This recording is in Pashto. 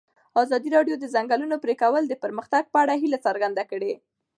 ازادي راډیو د د ځنګلونو پرېکول د پرمختګ په اړه هیله څرګنده کړې.